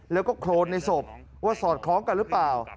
แล้วก็โครนในศพว่าสอดคล้องกันหรือเปล่า